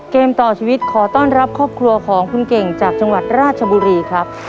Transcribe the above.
เกมต่อชีวิตขอต้อนรับครอบครัวของคุณเก่งจากจังหวัดราชบุรีครับ